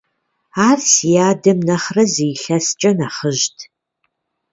Ар си адэм нэхърэ зы илъэскӀэ нэхъыжьт.